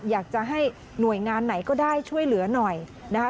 อยากจะให้หน่วยงานไหนก็ได้ช่วยเหลือหน่อยนะคะ